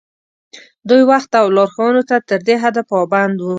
دوی وخت او لارښوونو ته تر دې حده پابند وو.